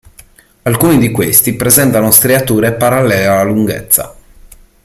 Alcuni di questi presentano striature parallele alla lunghezza.